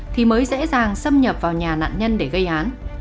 thì mới dễ dàng xâm nhập vào nhà nạn nhân để gây án